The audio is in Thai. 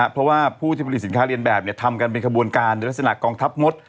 เพราะว่าผู้ที่ผลิตสินค้าเรียนแบบทำกันเป็นขบวนการในลักษณะกองทัพมด